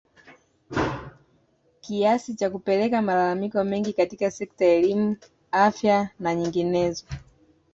kiasi cha kupelekea malalamiko mengi katika sekta ya elimu afya na nyinginezo